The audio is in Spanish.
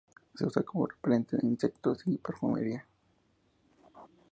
Se usa como repelente de insectos y en perfumería.